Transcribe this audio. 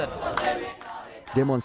demonstran juga melakukan penggalangan